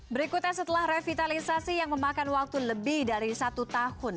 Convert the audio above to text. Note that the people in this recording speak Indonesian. berikutnya setelah revitalisasi yang memakan waktu lebih dari satu tahun